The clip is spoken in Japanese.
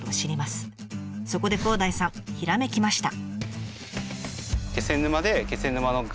そこで広大さんひらめきました！